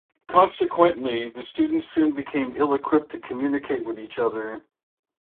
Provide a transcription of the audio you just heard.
Consequently, the students soon become ill-equipped to communicate with each other.